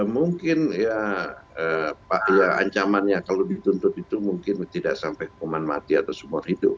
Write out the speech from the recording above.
mungkin ya ancamannya kalau dituntut itu mungkin tidak sampai hukuman mati atau seumur hidup